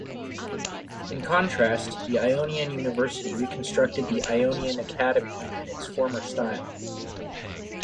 In contrast, the Ionian University reconstructed the Ionian Academy in its former style.